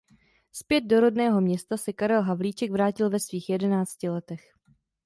Zpět do rodného města se Karel Havlíček vrátil ve svých jedenácti letech.